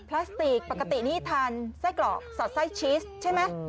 พลาสติกปกตินี่ทานไส้กรอกสอดไส้ชีสใช่ไหม